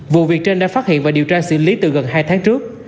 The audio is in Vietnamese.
vụ việc trên đã phát hiện và điều tra xử lý từ gần hai tháng trước